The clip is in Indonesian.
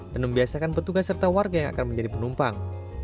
dan membiasakan petugas serta warga yang akan menjadi penumpang